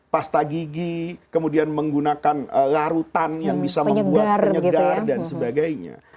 pasta gigi kemudian menggunakan larutan yang bisa membuat penyegar dan sebagainya